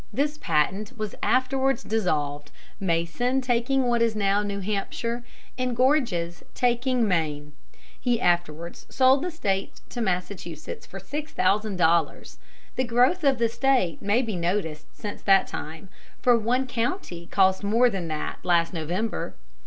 This patent was afterwards dissolved, Mason taking what is now New Hampshire, and Gorges taking Maine. He afterwards sold the State to Massachusetts for six thousand dollars. The growth of the State may be noticed since that time, for one county cost more than that last November.